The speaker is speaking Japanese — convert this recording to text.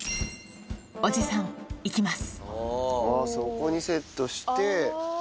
おじさん、いきます。